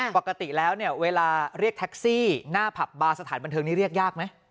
ปกติแล้วเนี่ยเวลาเรียกแท็กซี่หน้าผับบาร์สถานบันเทิงนี้เรียกยากไหม